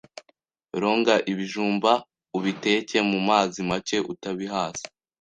Ronga ibijumba ubiteke mu mazi make utabihase